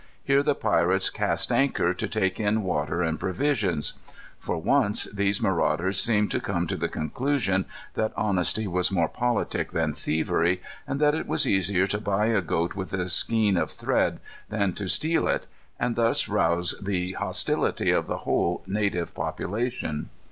Here the pirates cast anchor, to take in water and provisions. For once these marauders seemed to come to the conclusion that honesty was more politic than thievery, and that it was easier to buy a goat with a skein of thread, than to steal it, and thus rouse the hostility of the whole native population.